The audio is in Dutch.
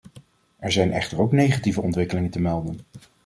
Er zijn echter ook negatieve ontwikkelingen te melden.